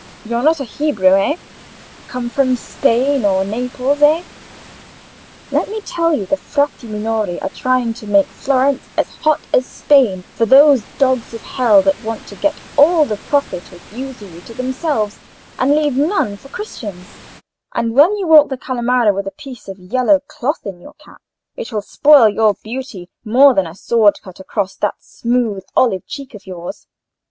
You're not a Hebrew, eh?—come from Spain or Naples, eh? Let me tell you the Frati Minori are trying to make Florence as hot as Spain for those dogs of hell that want to get all the profit of usury to themselves and leave none for Christians; and when you walk the Calimara with a piece of yellow cloth in your cap, it will spoil your beauty more than a sword cut across that smooth olive cheek of yours.